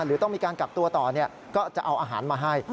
หรือต้องมีการกักตัวต่อก็จะเอาอาหารมาให้